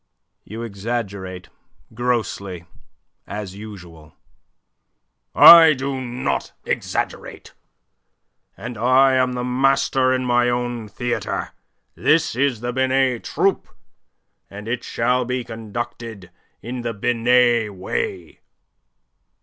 "You exaggerate grossly as usual." "I do not exaggerate. And I am the master in my own theatre. This is the Binet Troupe, and it shall be conducted in the Binet way."